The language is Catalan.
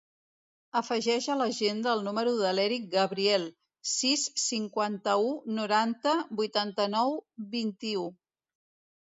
Afegeix a l'agenda el número de l'Eric Gabriel: sis, cinquanta-u, noranta, vuitanta-nou, vint-i-u.